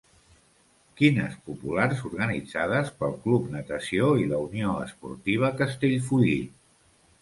Quines populars organitzades pel Club Natació i la Unió Esportiva Castellfollit.